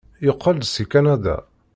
Yeqqel-d seg Kanada.